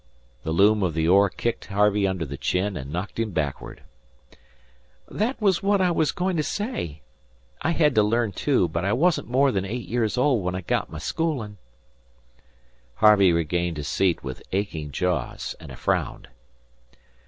The loom of the oar kicked Harvey under the chin and knocked him backwards. "That was what I was goin' to say. I hed to learn too, but I wasn't more than eight years old when I got my schoolin'." Harvey regained his seat with aching jaws and a frown.